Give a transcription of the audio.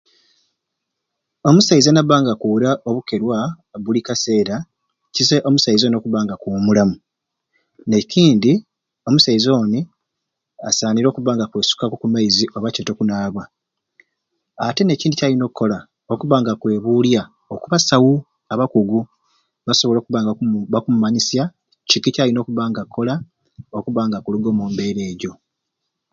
Omusaiza nabanga akuura obukerwa buli kaseera kisai omusaiza oni okubanga akumulamu nekindi omusaiza oni asaniire okubanga akwesukaku okumaizi oba kyete okunaaba ate nekindi kyayina okola okubanga akwebulya oku basawu abakugu basobole okuba nga bakumu bakumumanyisya kiki kyayina okuba nga akola okubanga akuluga omumbeera ejo.